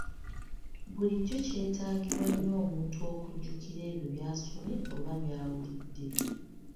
Bulijjo kyetaagibwa nnyo omuntu okujjukira ebyo by'asomye oba by'awulidde.